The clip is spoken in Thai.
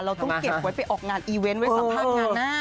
เราต้องเก็บไว้ไปออกงานอีเวนต์ไว้สัมภาษณ์งานหน้า